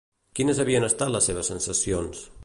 Quines havien estat les seves sensacions?